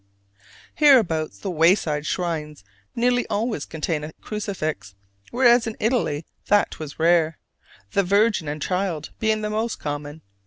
Hereabouts the wayside shrines nearly always contain a crucifix, whereas in Italy that was rare the Virgin and Child being the most common.